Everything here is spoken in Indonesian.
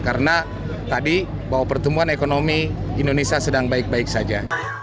karena tadi bahwa pertumbuhan ekonomi indonesia sedang baik baik saja